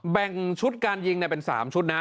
แบ่งชุดการยิงเป็น๓ชุดนะ